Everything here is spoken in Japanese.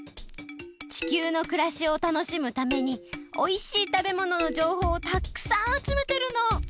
地球のくらしをたのしむためにおいしいたべもののじょうほうをたっくさんあつめてるの！